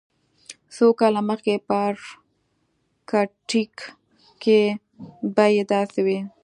څو کاله مخکې په ارکټیک کې بیې داسې وې